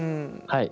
はい。